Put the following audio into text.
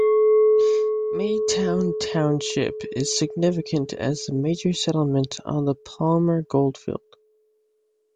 Maytown Township is significant as the major settlement on the Palmer goldfield.